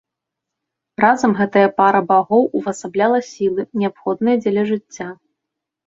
Разам гэтая пара багоў увасабляла сілы, неабходныя дзеля жыцця.